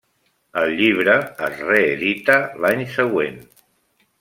El llibre es reedita l'any següent.